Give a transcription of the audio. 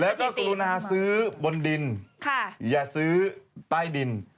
แล้วก็กรุณาซื้อบนดินอย่าซื้อใต้ดิน